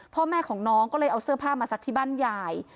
พ่อแม่ของน้องก็เลยเอาเสื้อผ้ามาซักที่บ้านยาย